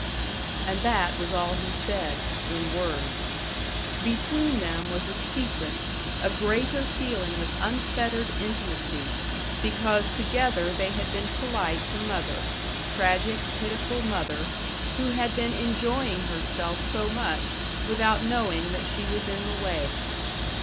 And that was all he said in words. Between them was a secret, a greater feeling of unfettered intimacy, because together they had been polite to mother tragic, pitiful mother, who had been enjoying herself so much without knowing that she was in the way.